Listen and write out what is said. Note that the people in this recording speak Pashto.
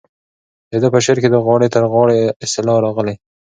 د ده په شعر کې د غاړې تر غاړې اصطلاح راغلې.